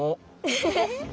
フフフ。